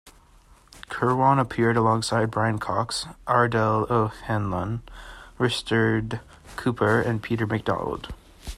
Kirwan appeared alongside Brian Cox, Ardal O'Hanlon, Risteard Cooper and Peter McDonald.